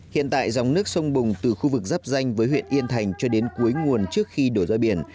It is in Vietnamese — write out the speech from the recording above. hiện tại dòng nước sông bùng từ khu vực dắp danh với huyện yên thành cho đến cuối nguồn trước khi đổ ra biển